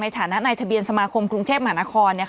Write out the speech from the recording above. ฐานะในทะเบียนสมาคมกรุงเทพมหานคร